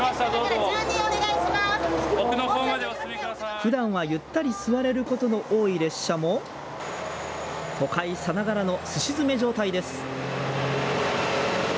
ふだんは、ゆったり座れることの多い列車も都会さながらのすし詰め状態です。